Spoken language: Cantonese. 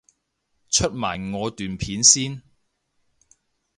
出埋我段片先